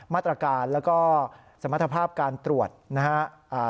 มาตรการแล้วก็สมรรถภาพการตรวจนะครับ